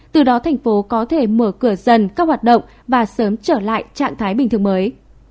từ đó thành phố có thể mở cửa dần các hoạt động và sớm trở lại trạng thái bình thường mới